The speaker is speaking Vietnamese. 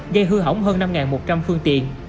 gây hư hỏng hơn năm một trăm linh phương tiện